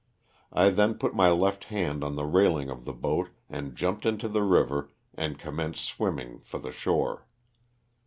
I then put my left hand on the railing of the boat and jumped into the river and commenced swimming for the shore.